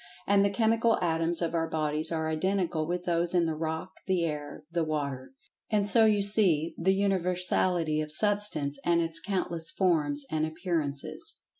And the chemical atoms of our bodies are identical with those in the rock, the air, the water. And so you see the universality of Substance and its countless forms and appearances.